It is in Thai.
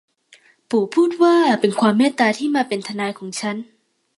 ปู่พูดว่า เป็นความเมตตาที่มาเป็นทนายของฉัน